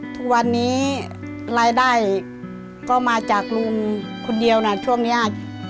ทุกวันนี้รายได้ก็มาจากลุงคนเดียวนะช่วงนี้